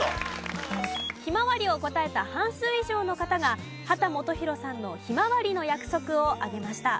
ひまわりを答えた半数以上の方が秦基博さんの『ひまわりの約束』を挙げました。